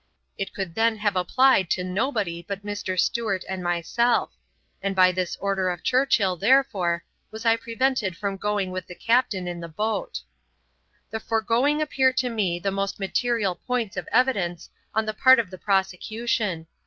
It could then have applied to nobody but to Mr. Stewart and myself; and by this order of Churchill, therefore, was I prevented from going with the captain in the boat. 'The foregoing appear to me the most material points of evidence on the part of the prosecution.